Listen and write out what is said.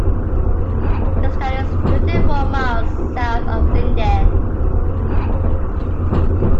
This town is twenty-four miles south of Linden.